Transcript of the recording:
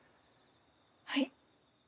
はい。